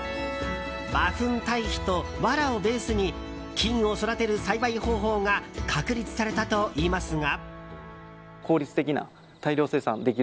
馬ふん堆肥とわらをベースに菌を育てる栽培方法が確立されたといいますが。